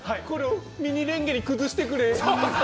ミニレンゲに崩してくれ！